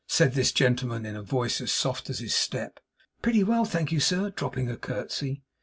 said this gentleman, in a voice as soft as his step. 'Pretty well, I thank you, sir,' dropping a curtsey.